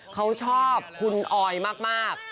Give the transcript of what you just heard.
เขาชอบคุณออยมาก